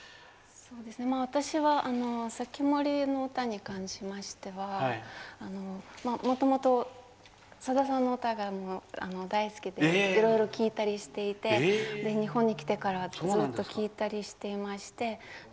私は「防人の詩」に関しましてはもともとさださんの歌が大好きでいろいろ聴いたりしていて日本に来てからずっと聴いたりしていまして。